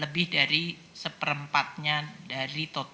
lebih dari seperempatnya dari total